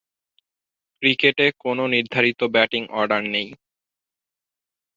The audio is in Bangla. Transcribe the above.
ক্রিকেটে কোনও নির্ধারিত ব্যাটিং অর্ডার নেই।